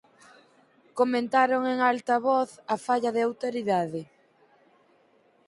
Comentaron en alta voz a falla de autoridade.